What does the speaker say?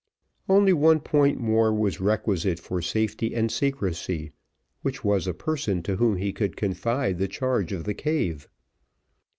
Only one point more was requisite for safety and secrecy, which was, a person to whom he could confide the charge of the cave.